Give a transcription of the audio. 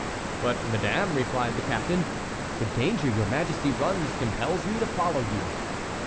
"But, madame," replied the captain, "the danger your majesty runs compels me to follow you."